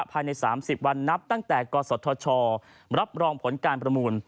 ภายใน๓๐วันนับตั้งแต่กศธชรับรองผลการประมูล